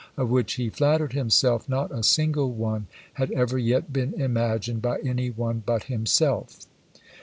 of which he flattered himself not a single one had ever yet been imagined by any one but himself!